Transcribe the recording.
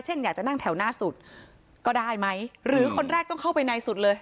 อยากจะนั่งแถวหน้าสุดก็ได้ไหมหรือคนแรกต้องเข้าไปในสุดเลย